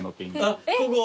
あっここ？